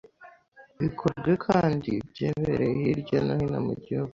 ikorwe kendi byebererye hirye no hino mu gihugu